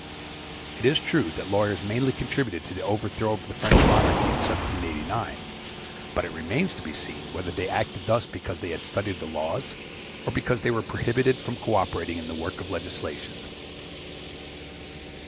It is true that lawyers mainly contributed to the overthrow of the French monarchy in 1789; but it remains to be seen whether they acted thus because they had studied the laws, or because they were prohibited from co operating in the work of legislation.